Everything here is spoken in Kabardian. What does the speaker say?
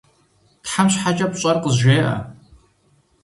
Тхьэм щхьэкӏэ пщӏэр къызжеӏэ!